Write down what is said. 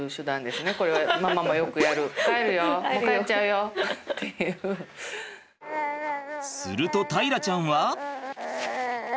すると大樂ちゃんは。